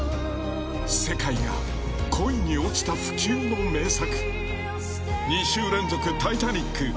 世界が恋に落ちた不朽の名作。